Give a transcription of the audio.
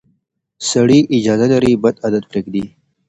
سړی اجازه لري بد عادت پرېږدي.